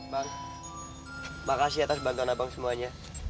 bang makasih atas bangkang abang semuanya